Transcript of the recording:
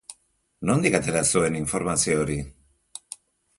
Nondik atera zuen informazio hori?